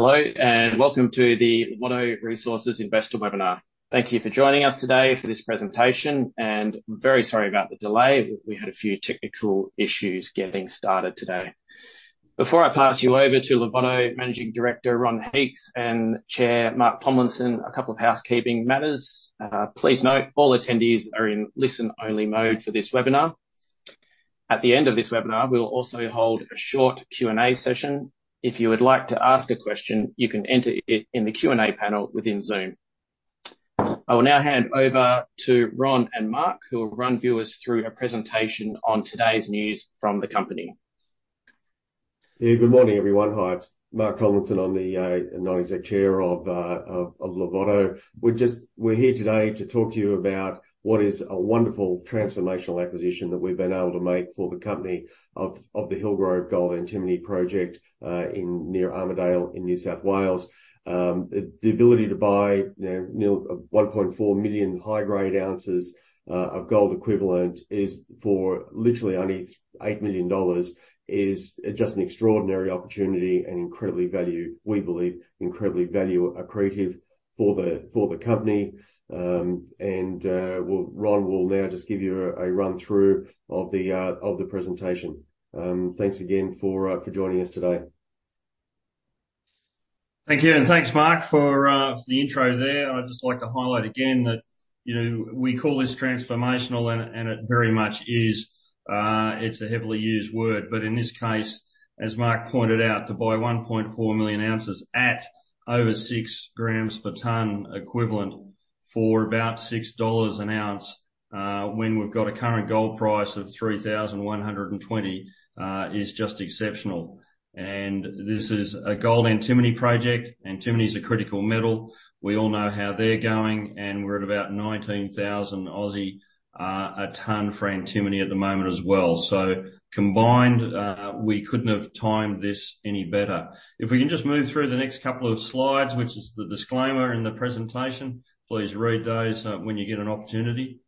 Hello, and welcome to the Larvotto Resources Investor Webinar. Thank you for joining us today for this presentation, and very sorry about the delay. We had a few technical issues getting started today. Before I pass you over to Larvotto Managing Director, Ron Heeks, and Chair, Mark Tomlinson, a couple of housekeeping matters. Please note all attendees are in listen-only mode for this webinar. At the end of this webinar, we'll also hold a short Q&A session. If you would like to ask a question, you can enter it in the Q&A panel within Zoom. I will now hand over to Ron and Mark, who will run viewers through a presentation on today's news from the company. Good morning, everyone. Hi, it's Mark Tomlinson. I'm the non-exec chair of Larvotto. We're here today to talk to you about what is a wonderful transformational acquisition that we've been able to make for the company of the Hillgrove Gold-Antimony Project near Armidale in New South Wales. The ability to buy 1.4 million high-grade ounces of gold equivalent for literally only 8 million dollars is just an extraordinary opportunity and, we believe, incredibly value accretive for the company. Ron will now just give you a run-through of the presentation. Thanks again for joining us today. Thank you, thanks, Mark, for the intro there. I'd just like to highlight again that we call this transformational, and it very much is. It's a heavily used word, but in this case, as Mark pointed out, to buy 1.4 million ounces at over six grams per ton equivalent for about 6 dollars an ounce, when we've got a current gold price of 3,120 is just exceptional. This is a gold antimony project. Antimony is a critical metal. We all know how they're going, and we're at about 19,000 a ton for antimony at the moment as well. Combined, we couldn't have timed this any better. If we can just move through the next couple of slides, which is the disclaimer in the presentation. Please read those when you get an opportunity.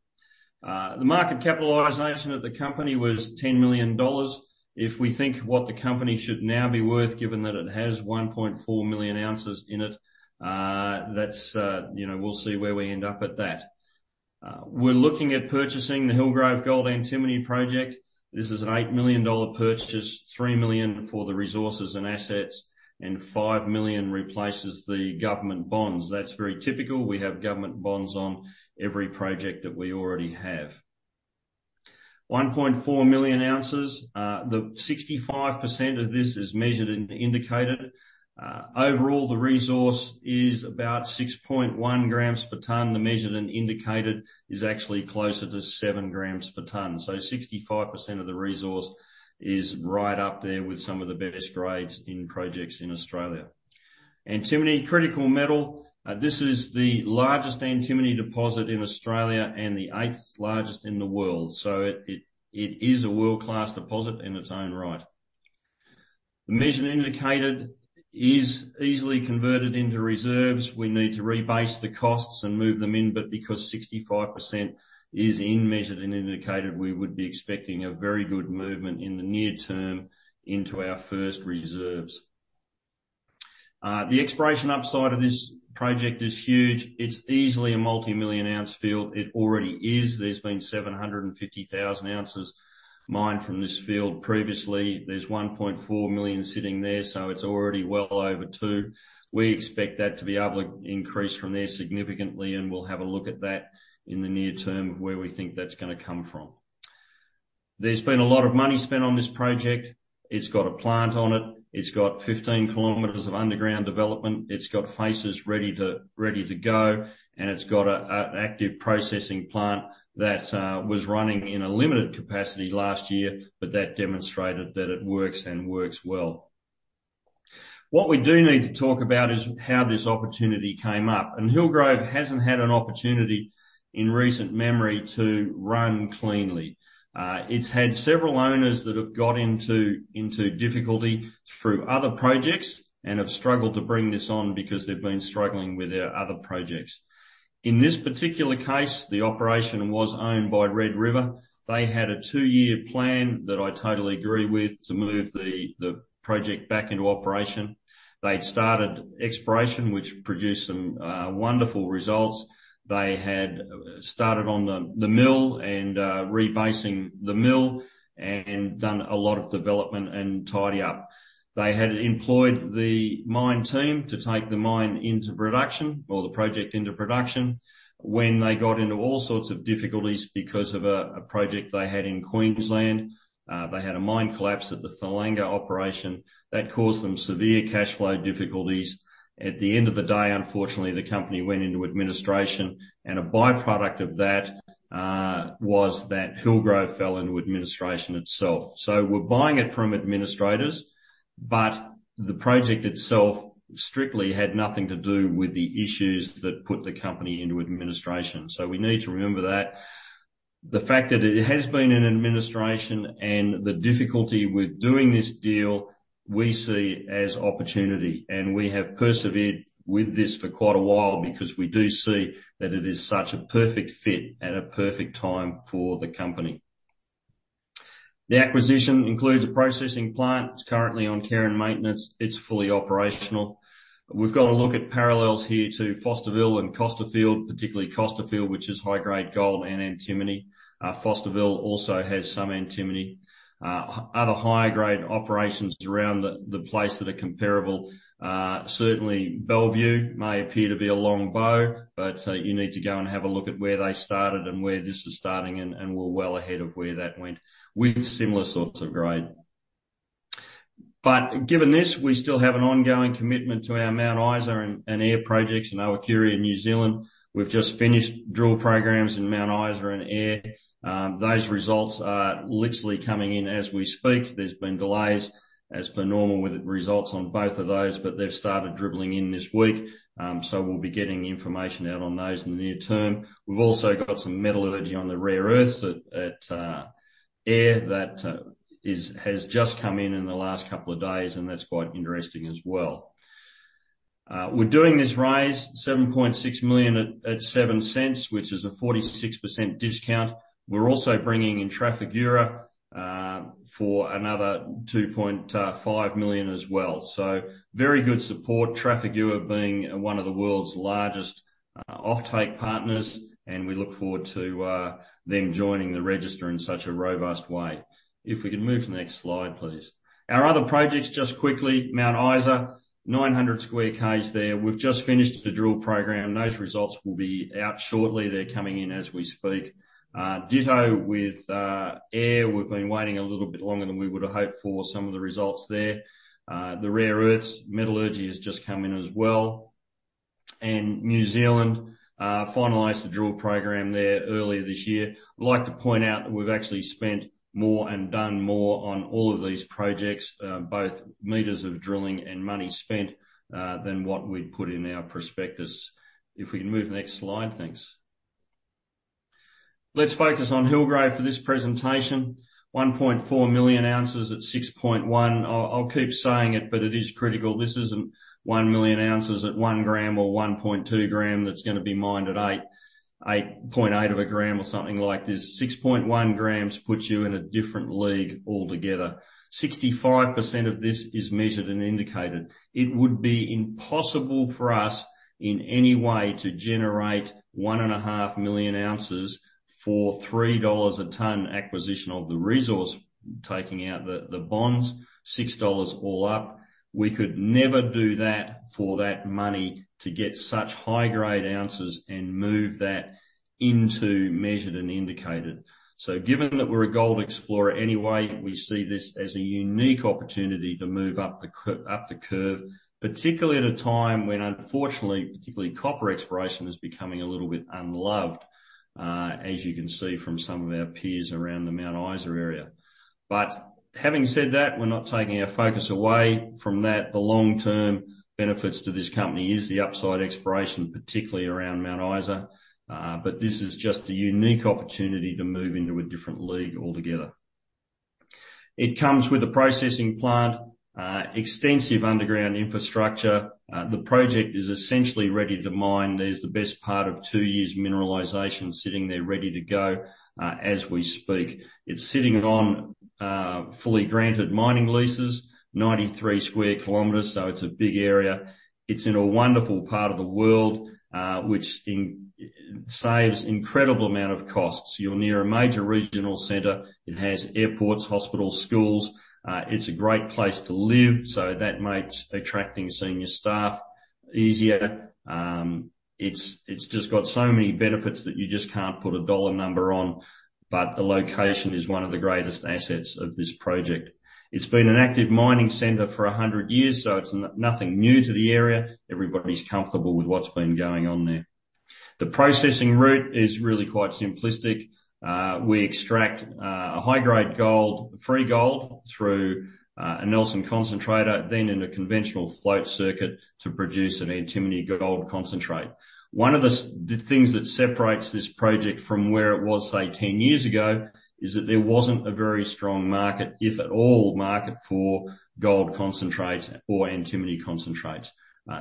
The market capitalization of the company was 10 million dollars. If we think what the company should now be worth, given that it has 1.4 million ounces in it, we'll see where we end up at that. We're looking at purchasing the Hillgrove Gold-Antimony Project. This is an 8 million dollar purchase, 3 million for the resources and assets, and 5 million replaces the government bonds. That's very typical. We have government bonds on every project that we already have. 1.4 million ounces. The 65% of this is measured and indicated. Overall, the resource is about 6.1 grams per ton. The measured and indicated is actually closer to seven grams per ton. 65% of the resource is right up there with some of the best grades in projects in Australia. Antimony, critical mineral. This is the largest antimony deposit in Australia and the eighth largest in the world. It is a world-class deposit in its own right. The measured and indicated is easily converted into reserves. We need to rebase the costs and move them in, because 65% is in measured and indicated, we would be expecting a very good movement in the near term into our first reserves. The exploration upside of this project is huge. It's easily a multimillion-ounce field. It already is. There's been 750,000 ounces mined from this field previously. There's 1.4 million sitting there, it's already well over two. We expect that to be able to increase from there significantly, we'll have a look at that in the near term of where we think that's going to come from. There's been a lot of money spent on this project. It's got a plant on it. It's got 15 kilometers of underground development. It's got faces ready to go, and it's got an active processing plant that was running in a limited capacity last year, but that demonstrated that it works and works well. What we do need to talk about is how this opportunity came up, and Hillgrove hasn't had an opportunity in recent memory to run cleanly. It's had several owners that have got into difficulty through other projects and have struggled to bring this on because they've been struggling with their other projects. In this particular case, the operation was owned by Red River. They had a two-year plan that I totally agree with to move the project back into operation. They'd started exploration, which produced some wonderful results. They had started on the mill and rebasing the mill and done a lot of development and tidy up. They had employed the mine team to take the mine into production or the project into production. When they got into all sorts of difficulties because of a project they had in Queensland, they had a mine collapse at the Thalanga operation that caused them severe cash flow difficulties. At the end of the day, unfortunately, the company went into administration, and a byproduct of that was that Hillgrove fell into administration itself. We're buying it from administrators, but the project itself strictly had nothing to do with the issues that put the company into administration. We need to remember that. The fact that it has been in administration and the difficulty with doing this deal, we see as opportunity, and we have persevered with this for quite a while because we do see that it is such a perfect fit at a perfect time for the company. The acquisition includes a processing plant that's currently on care and maintenance. It's fully operational. We've got to look at parallels here to Fosterville and Costerfield, particularly Costerfield, which is high-grade gold and antimony. Fosterville also has some antimony. Other higher grade operations around the place that are comparable. Certainly Bellevue may appear to be a long bow, but you need to go and have a look at where they started and where this is starting and we're well ahead of where that went with similar sorts of grade. Given this, we still have an ongoing commitment to our Mount Isa and Eyre projects in Ohakuri, New Zealand. We've just finished drill programs in Mount Isa and Eyre. Those results are literally coming in as we speak. There's been delays as per normal with the results on both of those, but they've started dribbling in this week. We'll be getting information out on those in the near term. We've also got some metallurgy on the rare earths at Eyre that has just come in in the last couple of days, and that's quite interesting as well. We're doing this raise, 7.6 million at 0.07, which is a 46% discount. We're also bringing in Trafigura for another 2.5 million as well. Very good support. Trafigura being one of the world's largest offtake partners. We look forward to them joining the register in such a robust way. If we can move to the next slide, please. Our other projects, just quickly, Mount Isa, 900 square km there. We've just finished the drill program. Those results will be out shortly. They're coming in as we speak. Ditto with Eyre. We've been waiting a little bit longer than we would have hoped for some of the results there. The rare earths metallurgy has just come in as well. New Zealand, finalized the drill program there earlier this year. I'd like to point out that we've actually spent more and done more on all of these projects, both meters of drilling and money spent, than what we'd put in our prospectus. If we can move next slide. Thanks. Let's focus on Hillgrove for this presentation. 1.4 million ounces at 6.1. I'll keep saying it, but it is critical. This isn't 1 million ounces at one gram or 1.2 grams that's going to be mined at 8.8 of a gram or something like this. 6.1 grams puts you in a different league altogether. 65% of this is measured and indicated. It would be impossible for us in any way to generate 1.5 million ounces for 3 dollars a ton acquisition of the resource, taking out the bonds, 6 dollars all up. We could never do that for that money to get such high-grade ounces and move that into measured and indicated. Given that we're a gold explorer anyway, we see this as a unique opportunity to move up the curve, particularly at a time when unfortunately, particularly copper exploration is becoming a little bit unloved, as you can see from some of our peers around the Mount Isa area. Having said that, we're not taking our focus away from that. The long-term benefits to this company is the upside exploration, particularly around Mount Isa. This is just a unique opportunity to move into a different league altogether. It comes with a processing plant, extensive underground infrastructure. The project is essentially ready to mine. There's the best part of two years' mineralization sitting there ready to go, as we speak. It's sitting on fully granted mining leases, 93 square kilometers, so it's a big area. It's in a wonderful part of the world, which saves incredible amount of costs. You're near a major regional center. It has airports, hospitals, schools. It's a great place to live, so that makes attracting senior staff easier. It's just got so many benefits that you just can't put a dollar number on. The location is one of the greatest assets of this project. It's been an active mining center for 100 years, so it's nothing new to the area. Everybody's comfortable with what's been going on there. The processing route is really quite simplistic. We extract a high-grade gold, free gold, through a Knelson concentrator, then in a conventional float circuit to produce an antimony gold concentrate. One of the things that separates this project from where it was, say, 10 years ago, is that there wasn't a very strong market, if at all, market for gold concentrates or antimony concentrates.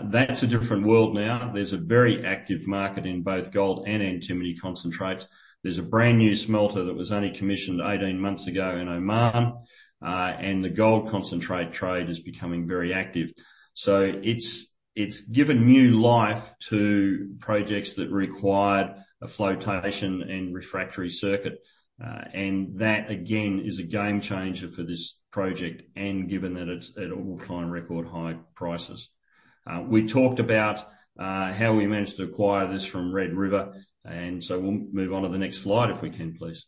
That's a different world now. There's a very active market in both gold and antimony concentrates. There's a brand-new smelter that was only commissioned 18 months ago in Oman. The gold concentrate trade is becoming very active. It's given new life to projects that required a flotation and refractory circuit. That, again, is a game changer for this project and given that it's at all-time record high prices. We talked about how we managed to acquire this from Red River, we'll move on to the next slide if we can, please.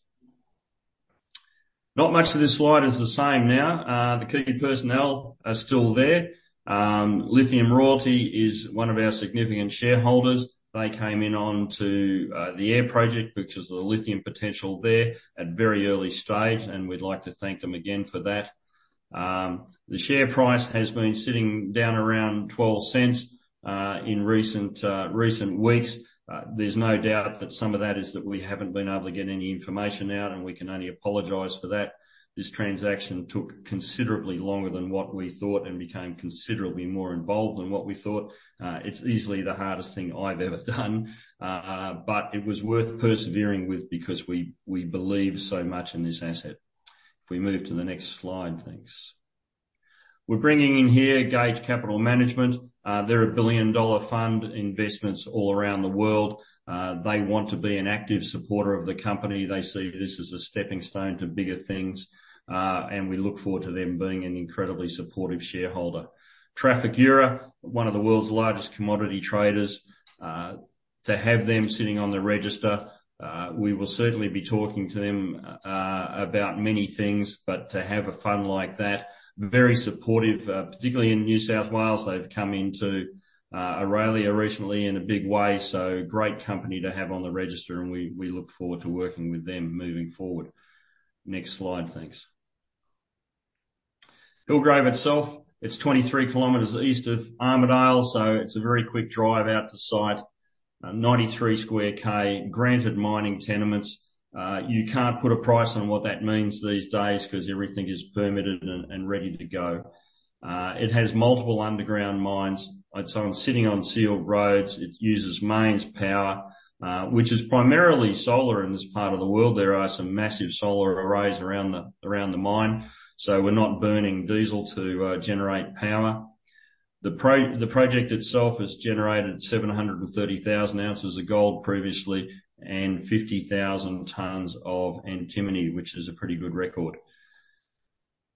Not much of this slide is the same now. The key personnel are still there. Lithium Royalty is one of our significant shareholders. They came in onto the Eyre project, which is the lithium potential there at very early stage, we'd like to thank them again for that. The share price has been sitting down around 0.12 in recent weeks. There's no doubt that some of that is that we haven't been able to get any information out, and we can only apologize for that. This transaction took considerably longer than what we thought and became considerably more involved than what we thought. It's easily the hardest thing I've ever done. It was worth persevering with because we believe so much in this asset. If we move to the next slide. Thanks. We're bringing in here Gauge Capital. They're an 1 billion dollar fund, investments all around the world. They want to be an active supporter of the company. They see this as a stepping stone to bigger things, and we look forward to them being an incredibly supportive shareholder. Trafigura, one of the world's largest commodity traders, to have them sitting on the register, we will certainly be talking to them about many things, but to have a fund like that, very supportive, particularly in New South Wales. They've come into Aurelia recently in a big way, so great company to have on the register, and we look forward to working with them moving forward. Next slide, thanks. Hillgrove itself, it's 23 kilometers east of Armidale, so it's a very quick drive out to site. 93 square km granted mining tenements. You can't put a price on what that means these days because everything is permitted and ready to go. It has multiple underground mines. It's sitting on sealed roads. It uses mains power, which is primarily solar in this part of the world. There are some massive solar arrays around the mine. We're not burning diesel to generate power. The project itself has generated 730,000 ounces of gold previously and 50,000 tonnes of antimony, which is a pretty good record.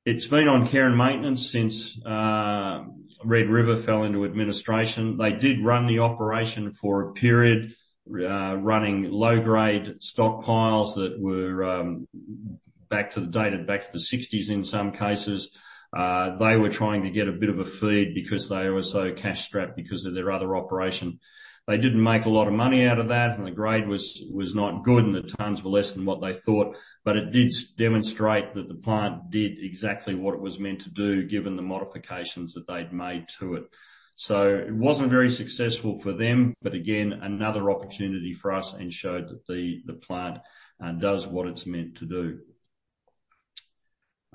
It's been on care and maintenance since Red River fell into administration. They did run the operation for a period, running low-grade stockpiles that were dated back to the '60s in some cases. They were trying to get a bit of a feed because they were so cash-strapped because of their other operation. They didn't make a lot of money out of that, and the grade was not good, and the tonnes were less than what they thought. It did demonstrate that the plant did exactly what it was meant to do, given the modifications that they'd made to it. It wasn't very successful for them, but again, another opportunity for us and showed that the plant does what it's meant to do.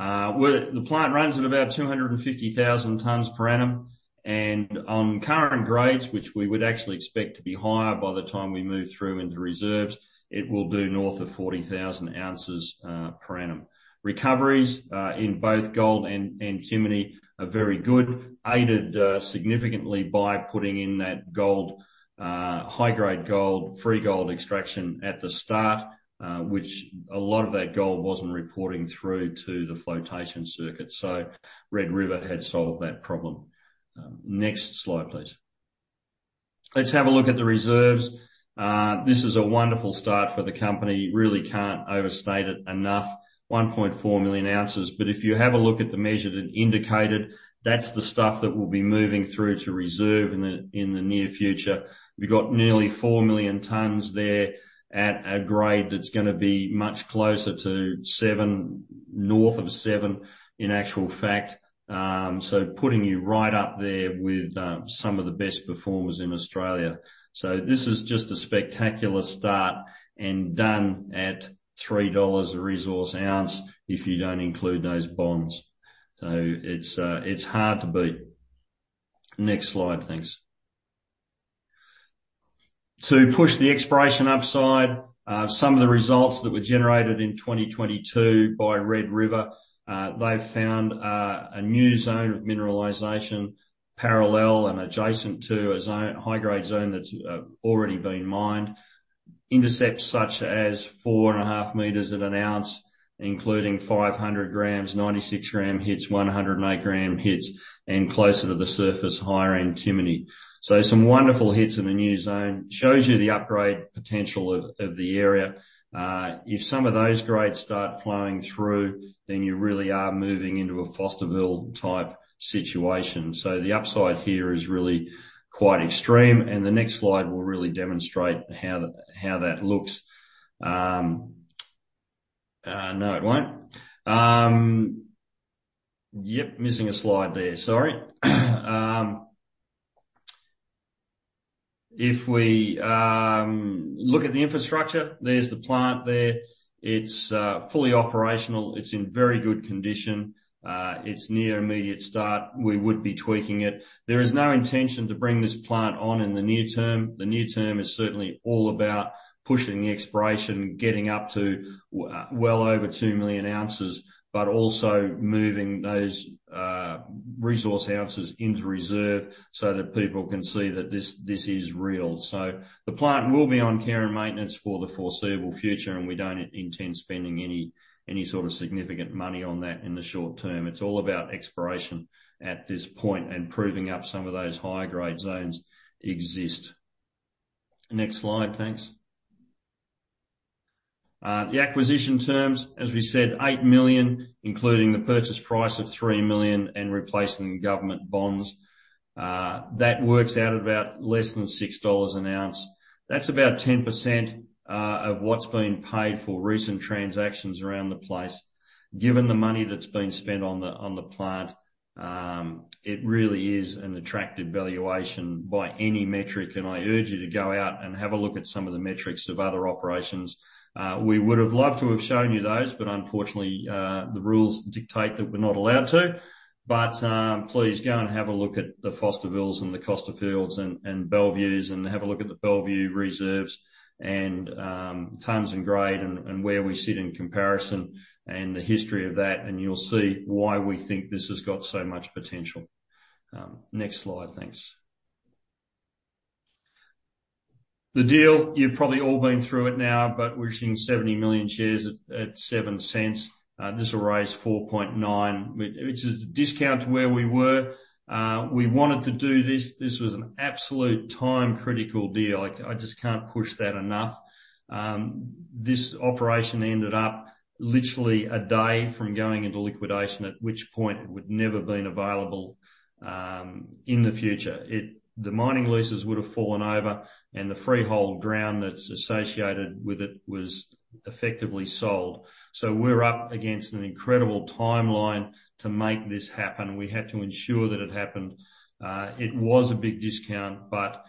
The plant runs at about 250,000 tonnes per annum, and on current grades, which we would actually expect to be higher by the time we move through into reserves, it will do north of 40,000 ounces per annum. Recoveries in both gold and antimony are very good, aided significantly by putting in that high-grade gold, free gold extraction at the start. Which a lot of that gold wasn't reporting through to the flotation circuit. Red River had solved that problem. Next slide, please. Let's have a look at the reserves. This is a wonderful start for the company. Really can't overstate it enough. 1.4 million ounces. If you have a look at the measured and indicated, that's the stuff that we'll be moving through to reserve in the near future. We've got nearly 4 million tonnes there at a grade that's going to be much closer to 7, north of 7, in actual fact. Putting you right up there with some of the best performers in Australia. This is just a spectacular start and done at 3 dollars a resource ounce if you don't include those bonds. It's hard to beat. Next slide, thanks. To push the exploration upside, some of the results that were generated in 2022 by Red River, they found a new zone of mineralization parallel and adjacent to a high-grade zone that's already been mined. Intercepts such as four and a half meters at an ounce, including 500 grams, 96-gram hits, 108-gram hits, and closer to the surface, higher antimony. Some wonderful hits in the new zone. Shows you the upgrade potential of the area. If some of those grades start flowing through, then you really are moving into a Fosterville type situation. The upside here is really quite extreme, and the next slide will really demonstrate how that looks. No, it won't. Yep. Missing a slide there, sorry. If we look at the infrastructure, there's the plant there. It's fully operational. It's in very good condition. It's near immediate start. We would be tweaking it. There is no intention to bring this plant on in the near term. The near term is certainly all about pushing the exploration, getting up to well over 2 million ounces, but also moving those resource ounces into reserve so that people can see that this is real. The plant will be on care and maintenance for the foreseeable future, and we don't intend spending any sort of significant money on that in the short term. It's all about exploration at this point and proving up some of those high-grade zones exist. Next slide, thanks. The acquisition terms, as we said, 8 million, including the purchase price of 3 million and replacing government bonds. That works out about less than 6 dollars an ounce. That's about 10% of what's been paid for recent transactions around the place. Given the money that's been spent on the plant, it really is an attractive valuation by any metric, and I urge you to go out and have a look at some of the metrics of other operations. We would have loved to have shown you those, but unfortunately, the rules dictate that we're not allowed to. Please go and have a look at the Fosterville and the Costerfield and Bellevue, and have a look at the Bellevue reserves and tonnes and grade and where we sit in comparison and the history of that, and you'll see why we think this has got so much potential. Next slide, thanks. The deal, you've probably all been through it now, We're issuing 70 million shares at 0.07. This will raise 4.9 million, which is a discount to where we were. We wanted to do this. This was an absolute time-critical deal. I just can't push that enough. This operation ended up literally a day from going into liquidation, at which point it would never been available in the future. The mining leases would have fallen over, and the freehold ground that's associated with it was effectively sold. We're up against an incredible timeline to make this happen. We had to ensure that it happened. It was a big discount, but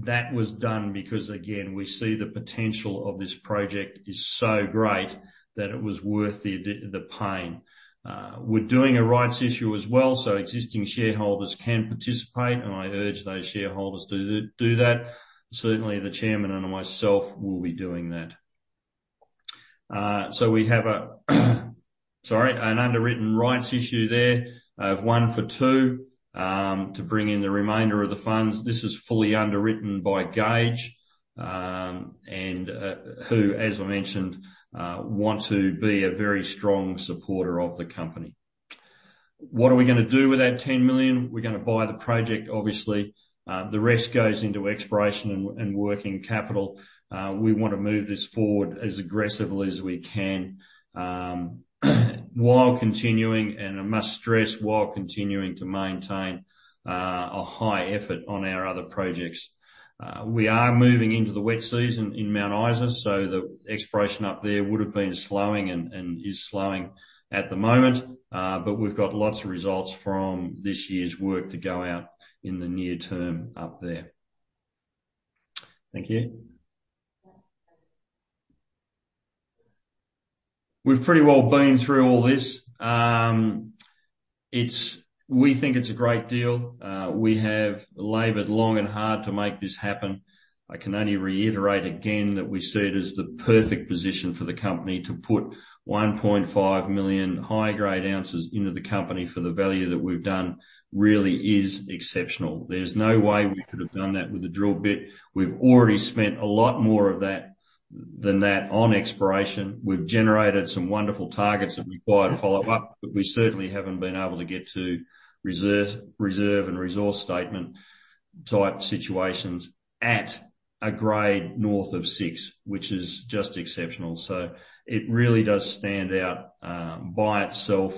that was done because, again, we see the potential of this project is so great that it was worth the pain. We're doing a rights issue as well, so existing shareholders can participate, and I urge those shareholders to do that. Certainly, the chairman and myself will be doing that. We have a, sorry, an underwritten rights issue there of 1 for 2, to bring in the remainder of the funds. This is fully underwritten by Gauge, who, as I mentioned, want to be a very strong supporter of the company. What are we going to do with that 10 million? We're going to buy the project, obviously. The rest goes into exploration and working capital. We want to move this forward as aggressively as we can, while continuing, and I must stress, while continuing to maintain a high effort on our other projects. We are moving into the wet season in Mount Isa. The exploration up there would have been slowing and is slowing at the moment. We've got lots of results from this year's work to go out in the near term up there. Thank you. We've pretty well been through all this. We think it's a great deal. We have labored long and hard to make this happen. I can only reiterate again that we see it as the perfect position for the company to put 1.5 million high-grade ounces into the company for the value that we've done, really is exceptional. There's no way we could have done that with a drill bit. We've already spent a lot more of that, than that on exploration. We've generated some wonderful targets that require follow-up, but we certainly haven't been able to get to reserve and resource statement type situations at a grade north of 6, which is just exceptional. It really does stand out by itself,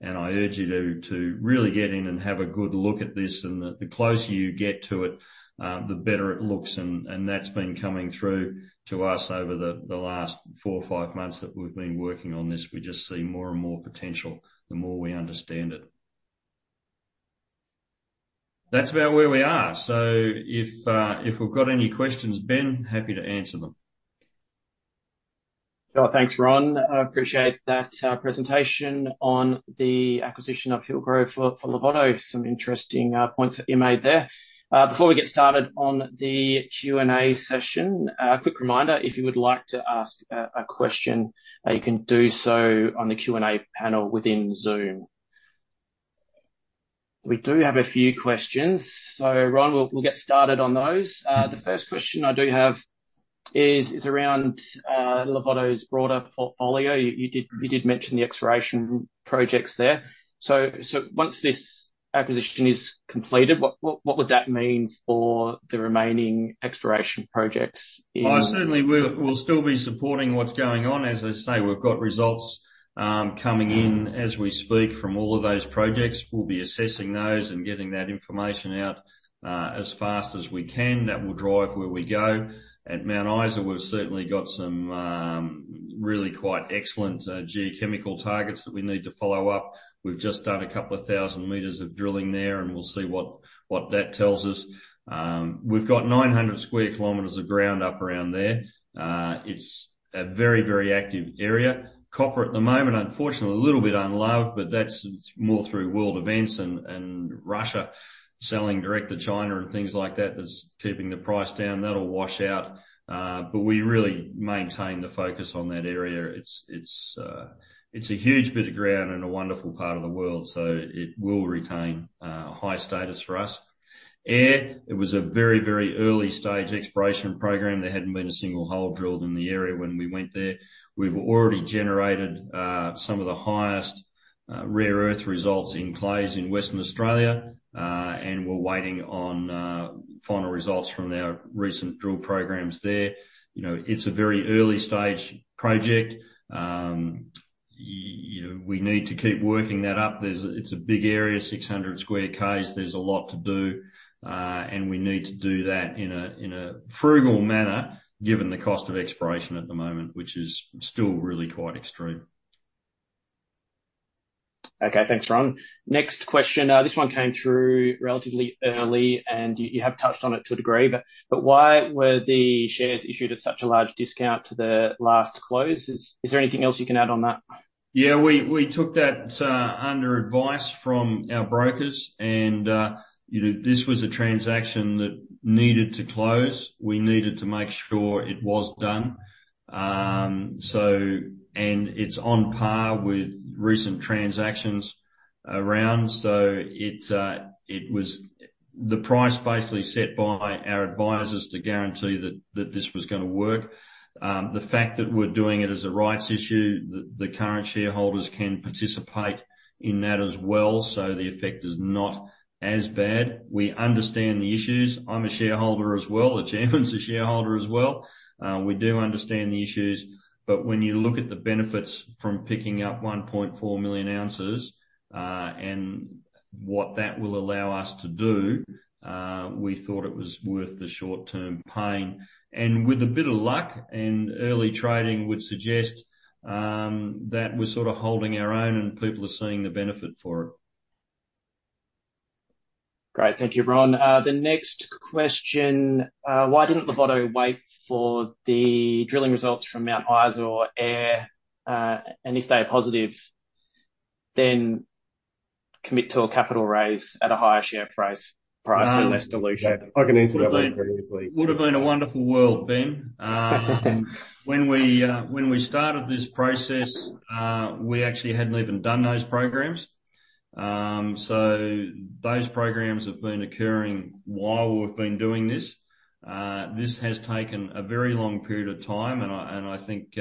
and I urge you to really get in and have a good look at this. The closer you get to it, the better it looks. That's been coming through to us over the last four or five months that we've been working on this. We just see more and more potential the more we understand it. That's about where we are. If we've got any questions, Ben, happy to answer them. Sure. Thanks, Ron. I appreciate that presentation on the acquisition of Hillgrove for Larvotto. Some interesting points that you made there. Before we get started on the Q&A session, a quick reminder, if you would like to ask a question, you can do so on the Q&A panel within Zoom. We do have a few questions. Ron, we'll get started on those. The first question I do have is around Larvotto's broader portfolio. You did mention the exploration projects there. Once this acquisition is completed, what would that mean for the remaining exploration projects in- I certainly will still be supporting what's going on. As I say, we've got results coming in as we speak from all of those projects. We'll be assessing those and getting that information out, as fast as we can. That will drive where we go. At Mount Isa, we've certainly got some really quite excellent geochemical targets that we need to follow up. We've just done a couple of 1,000 meters of drilling there. We'll see what that tells us. We've got 900 square kilometers of ground up around there. It's a very, very active area. Copper at the moment, unfortunately, a little bit unloved. That's more through world events and Russia selling direct to China and things like that's keeping the price down. That'll wash out. We really maintain the focus on that area. It's a huge bit of ground and a wonderful part of the world. It will retain a high status for us. Eyre, it was a very, very early-stage exploration program. There hadn't been a single hole drilled in the area when we went there. We've already generated some of the highest rare earth results in clays in Western Australia. We're waiting on final results from our recent drill programs there. It's a very early-stage project. We need to keep working that up. It's a big area, 600 square Ks. There's a lot to do. We need to do that in a frugal manner given the cost of exploration at the moment, which is still really quite extreme. Okay. Thanks, Ron. Next question. This one came through relatively early, and you have touched on it to a degree, but why were the shares issued at such a large discount to the last close? Is there anything else you can add on that? Yeah. We took that under advice from our brokers and this was a transaction that needed to close. We needed to make sure it was done. It's on par with recent transactions around. It was the price basically set by our advisors to guarantee that this was going to work. The fact that we're doing it as a rights issue, that the current shareholders can participate in that as well, so the effect is not as bad. We understand the issues. I'm a shareholder as well. The Chairman's a shareholder as well. We do understand the issues, but when you look at the benefits from picking up 1.4 million ounces, and what that will allow us to do, we thought it was worth the short-term pain. With a bit of luck, and early trading would suggest that we're sort of holding our own and people are seeing the benefit for it. Great. Thank you, Ron. The next question, why didn't Larvotto wait for the drilling results from Mount Isa or Eyre? If they are positive, then commit to a capital raise at a higher share price for less dilution. I can answer that one pretty easily. Would have been a wonderful world, Ben. When we started this process, we actually hadn't even done those programs. Those programs have been occurring while we've been doing this. This has taken a very long period of time, and I think,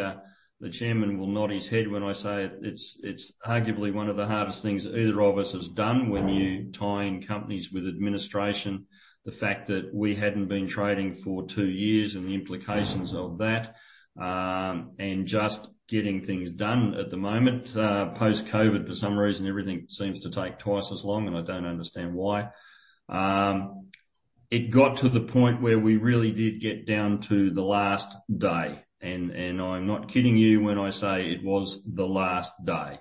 the chairman will nod his head when I say it. It's arguably one of the hardest things either of us has done when you tie in companies with administration. The fact that we hadn't been trading for two years and the implications of that, and just getting things done at the moment. Post-COVID, for some reason, everything seems to take twice as long, and I don't understand why. It got to the point where we really did get down to the last day, and I'm not kidding you when I say it was the last day.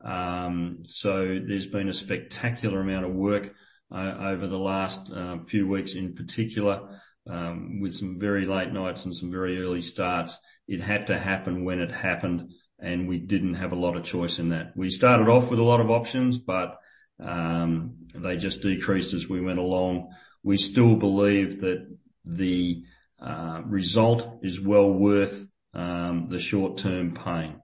There's been a spectacular amount of work over the last few weeks in particular, with some very late nights and some very early starts. It had to happen when it happened, and we didn't have a lot of choice in that. We started off with a lot of options, but they just decreased as we went along. We still believe that the result is well worth the short-term pain.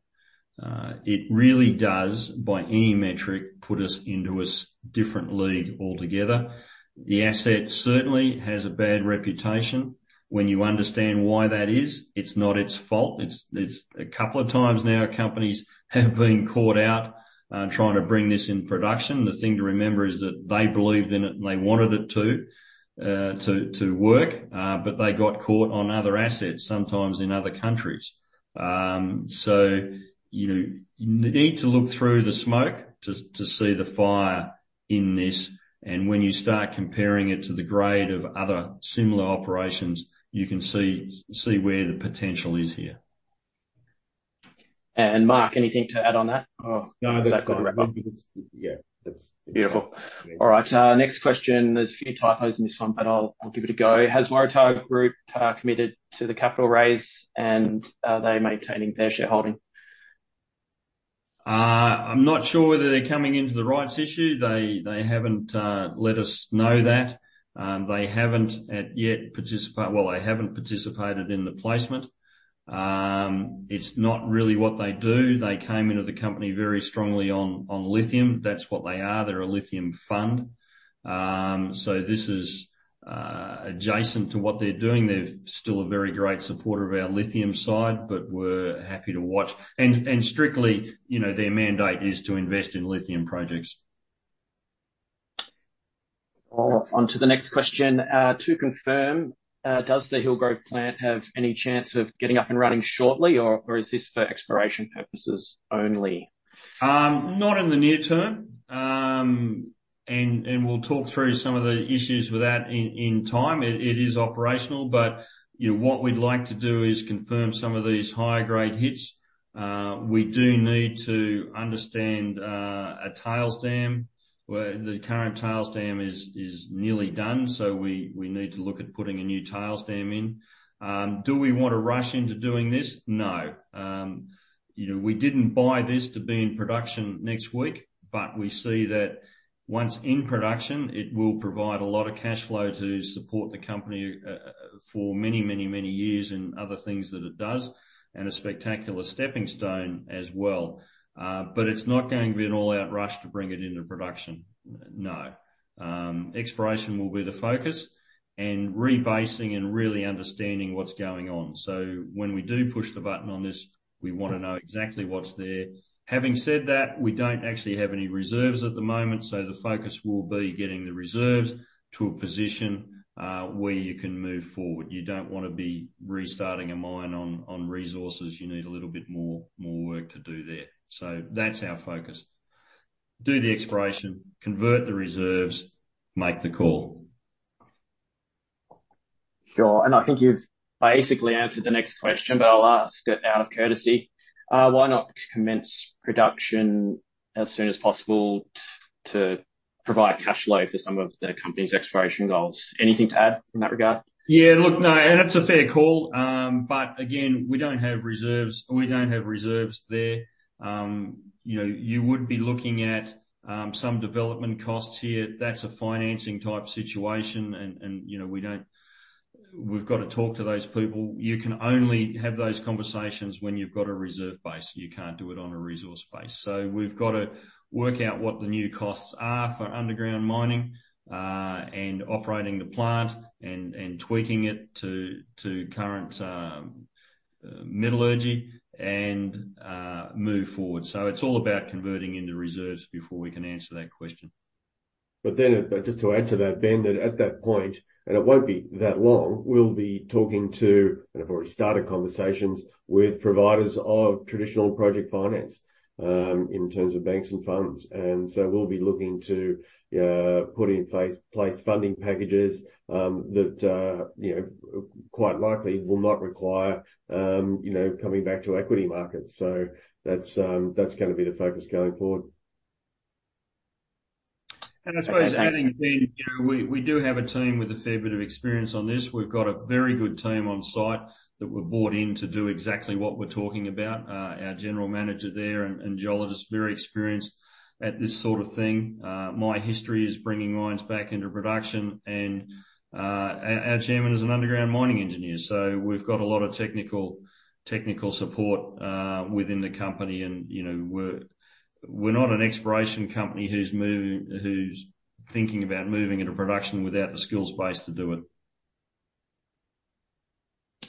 It really does, by any metric, put us into a different league altogether. The asset certainly has a bad reputation. When you understand why that is, it's not its fault. It's a couple of times now companies have been caught out trying to bring this in production. The thing to remember is that they believed in it and they wanted it to work. They got caught on other assets, sometimes in other countries. You need to look through the smoke to see the fire in this. When you start comparing it to the grade of other similar operations, you can see where the potential is here. Mark, anything to add on that? Oh, no. That's all. That's a wrap-up. Yeah. That's it. Beautiful. All right, next question. There's a few typos in this one, but I'll give it a go. Has Waratah Group committed to the capital raise, and are they maintaining their shareholding? I'm not sure whether they're coming into the rights issue. They haven't let us know that. They haven't participated in the placement. It's not really what they do. They came into the company very strongly on lithium. That's what they are. They're a lithium fund. This is adjacent to what they're doing. They're still a very great supporter of our lithium side, but we're happy to watch. Strictly, their mandate is to invest in lithium projects. On to the next question. To confirm, does the Hillgrove plant have any chance of getting up and running shortly, or is this for exploration purposes only? Not in the near term. We'll talk through some of the issues with that in time. It is operational, but what we'd like to do is confirm some of these higher grade hits. We do need to understand a tailings dam, where the current tailings dam is nearly done, so we need to look at putting a new tailings dam in. Do we want to rush into doing this? No. We didn't buy this to be in production next week, but we see that once in production, it will provide a lot of cash flow to support the company for many years and other things that it does, and a spectacular stepping stone as well. It's not going to be an all-out rush to bring it into production. No. Exploration will be the focus and rebasing and really understanding what's going on. When we do push the button on this, we want to know exactly what's there. Having said that, we don't actually have any reserves at the moment, so the focus will be getting the reserves to a position where you can move forward. You don't want to be restarting a mine on resources. You need a little bit more work to do there. That's our focus. Do the exploration, convert the reserves, make the call. Sure. I think you've basically answered the next question, but I'll ask it out of courtesy. Why not commence production as soon as possible to provide cash flow for some of the company's exploration goals? Anything to add in that regard? Yeah, look, no, it's a fair call. Again, we don't have reserves there. You would be looking at some development costs here. That's a financing type situation and we've got to talk to those people. You can only have those conversations when you've got a reserve base. You can't do it on a resource base. We've got to work out what the new costs are for underground mining, and operating the plant and tweaking it to current metallurgy and move forward. It's all about converting into reserves before we can answer that question. Just to add to that, Ben, at that point, and it won't be that long, we'll be talking to, and have already started conversations with providers of traditional project finance, in terms of banks and funds. We'll be looking to put in place funding packages that quite likely will not require coming back to equity markets. That's going to be the focus going forward. I suppose adding, Ben, we do have a team with a fair bit of experience on this. We've got a very good team on site that were brought in to do exactly what we're talking about. Our general manager there and geologist, very experienced at this sort of thing. My history is bringing mines back into production and our chairman is an underground mining engineer. We've got a lot of technical support within the company, and we're not an exploration company who's thinking about moving into production without the skills base to do it.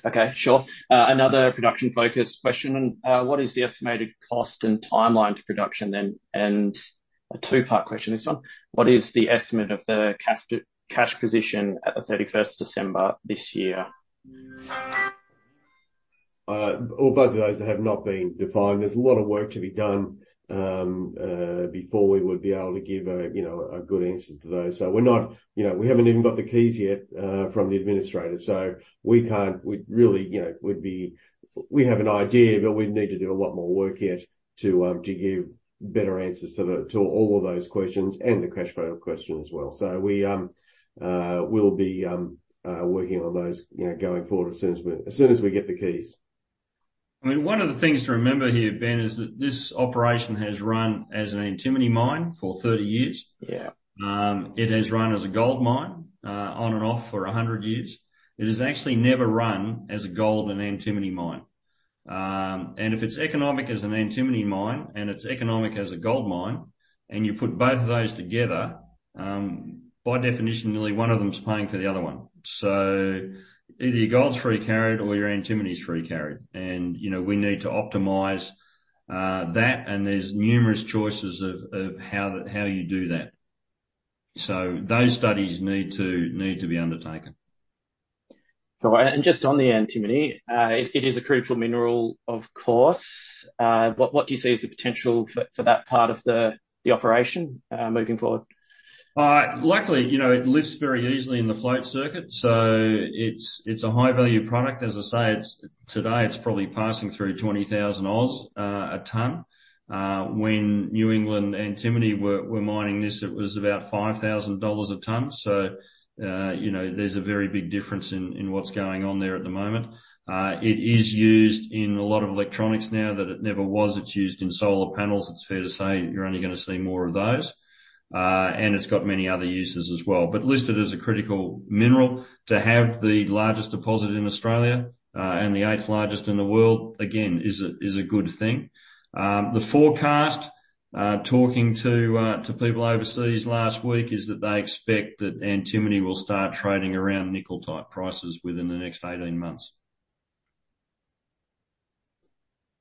Okay, sure. Another production-focused question. What is the estimated cost and timeline to production then? A two-part question, this one. What is the estimate of the cash position at the 31st of December this year? Well, both of those have not been defined. There's a lot of work to be done before we would be able to give a good answer to those. We haven't even got the keys yet from the administrator. We have an idea, but we need to do a lot more work yet to give better answers to all of those questions and the cash flow question as well. We'll be working on those going forward as soon as we get the keys. One of the things to remember here, Ben, is that this operation has run as an antimony mine for 30 years. Yeah. It has run as a gold mine on and off for 100 years. It has actually never run as a gold and antimony mine. If it's economic as an antimony mine and it's economic as a gold mine, and you put both of those together, by definition, really one of them is paying for the other one. Either your gold's free carried or your antimony's free carried. We need to optimize that, and there's numerous choices of how you do that. Those studies need to be undertaken. All right. Just on the antimony, it is a critical mineral, of course. What do you see is the potential for that part of the operation moving forward? Luckily, it lifts very easily in the float circuit, so it's a high-value product. I say, today it's probably passing through 20,000 a tonne. When New England Antimony were mining this, it was about 5,000 dollars a tonne. There's a very big difference in what's going on there at the moment. It is used in a lot of electronics now that it never was. It's used in solar panels. It's fair to say you're only going to see more of those. It's got many other uses as well. Listed as a critical mineral to have the largest deposit in Australia, and the eighth largest in the world, again is a good thing. The forecast, talking to people overseas last week is that they expect that antimony will start trading around nickel-type prices within the next 18 months.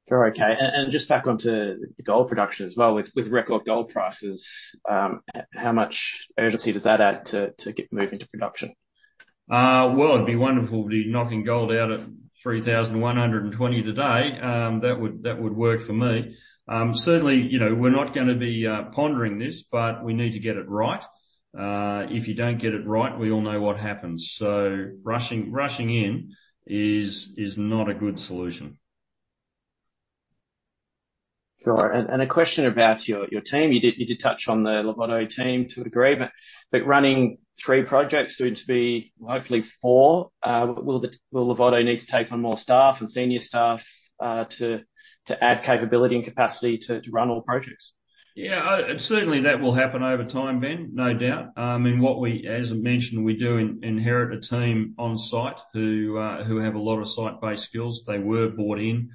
Sure, okay. Just back onto the gold production as well, with record gold prices, how much urgency does that add to get moving to production? Well, it'd be wonderful to be knocking gold out at 3,120 today. That would work for me. Certainly, we're not going to be pondering this. We need to get it right. If you don't get it right, we all know what happens. Rushing in is not a good solution. Sure. A question about your team. You did touch on the Larvotto team to a degree, but running three projects soon to be hopefully four, will Larvotto need to take on more staff and senior staff to add capability and capacity to run all projects? Yeah. Certainly, that will happen over time, Ben, no doubt. As I mentioned, we do inherit a team on site who have a lot of site-based skills. They were brought in.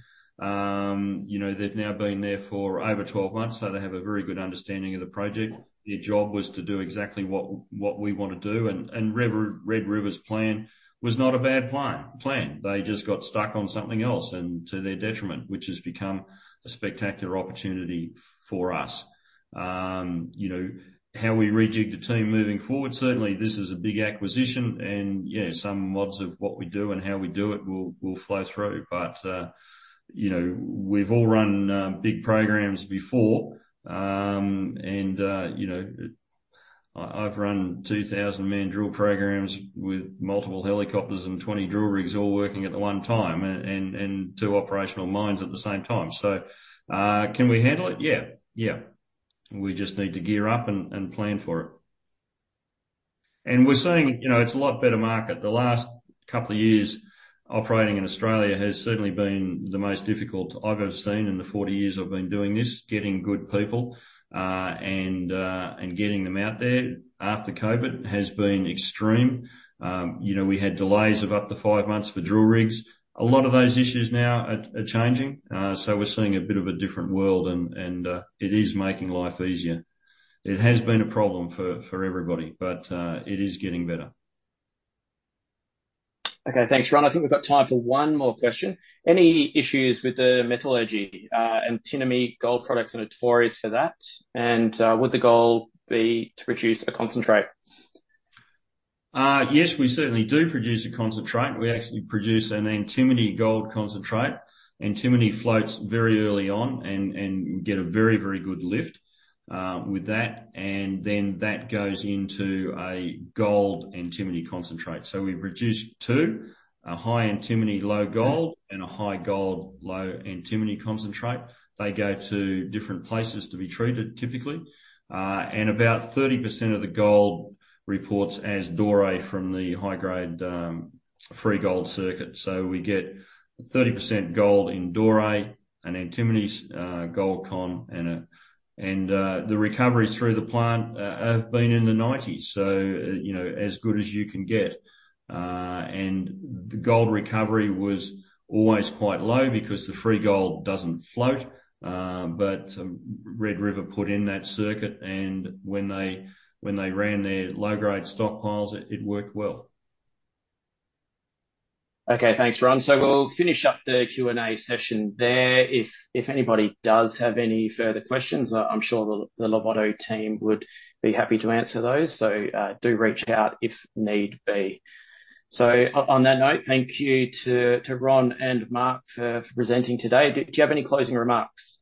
They've now been there for over 12 months, so they have a very good understanding of the project. Their job was to do exactly what we want to do. Red River's plan was not a bad plan. They just got stuck on something else and to their detriment, which has become a spectacular opportunity for us. How we rejig the team moving forward, certainly this is a big acquisition, and some mods of what we do and how we do it will flow through. We've all run big programs before. I've run 2,000-man drill programs with multiple helicopters and 20 drill rigs all working at the one time and two operational mines at the same time. Can we handle it? Yeah. We just need to gear up and plan for it. And we're seeing it's a lot better market. The last couple of years operating in Australia has certainly been the most difficult I've ever seen in the 40 years I've been doing this, getting good people, and getting them out there after COVID has been extreme. We had delays of up to five months for drill rigs. A lot of those issues now are changing. We're seeing a bit of a different world, and it is making life easier. It has been a problem for everybody, but it is getting better. Okay. Thanks, Ron. I think we've got time for one more question. Any issues with the metallurgy, antimony gold products and notorious for that? Would the goal be to produce a concentrate? Yes, we certainly do produce a concentrate. We actually produce an antimony gold concentrate. Antimony floats very early on and get a very, very good lift with that, and then that goes into a gold antimony concentrate. We produce two, a high antimony low gold and a high gold low antimony concentrate. They go to different places to be treated typically. About 30% of the gold reports as doré from the high-grade free gold circuit. We get 30% gold in doré and antimony's gold con, and the recoveries through the plant have been in the 90s, so as good as you can get. The gold recovery was always quite low because the free gold doesn't float. Red River put in that circuit and when they ran their low-grade stockpiles, it worked well. Okay. Thanks, Ron. We'll finish up the Q&A session there. If anybody does have any further questions, I'm sure the Larvotto team would be happy to answer those. Do reach out if need be. On that note, thank you to Ron and Mark for presenting today. Do you have any closing remarks?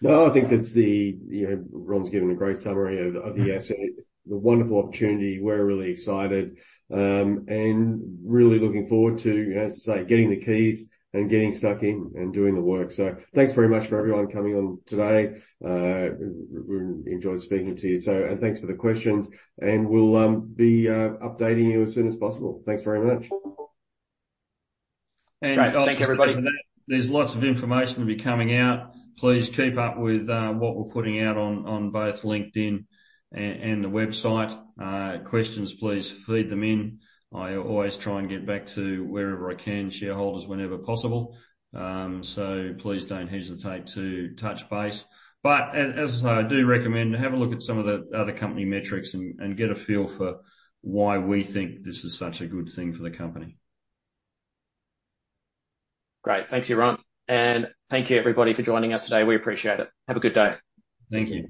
No, I think Ron's given a great summary of the asset, the wonderful opportunity. We're really excited, and really looking forward to, as I say, getting the keys and getting stuck in and doing the work. Thanks very much for everyone coming on today. We enjoyed speaking to you. Thanks for the questions, and we'll be updating you as soon as possible. Thanks very much. Great. Thank you, everybody. There's lots of information to be coming out. Please keep up with what we're putting out on both LinkedIn and the website. Questions, please feed them in. I always try and get back to wherever I can, shareholders whenever possible. Please don't hesitate to touch base. As I say, I do recommend have a look at some of the other company metrics and get a feel for why we think this is such a good thing for the company. Great. Thank you, Ron. Thank you everybody for joining us today. We appreciate it. Have a good day. Thank you.